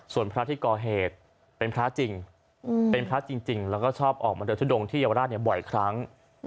ส่วนพระที่ก่อเหตุเป็นพระจริงเป็นพระจริงแล้วก็ชอบออกมาเดินทุดงที่เยาวราชบ่อยครั้ง